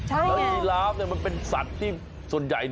แล้วยีลาฟมันเป็นสัตว์ที่ส่วนใหญ่